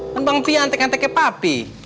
kan bang fi antek anteknya papi